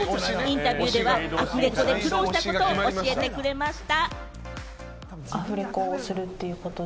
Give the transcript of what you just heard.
インタビューではアフレコで苦労したことを教えてくれました。